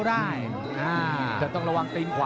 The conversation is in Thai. กระหน่าที่น้ำเงินก็มีเสียเอ็นจากอุบลนะครับ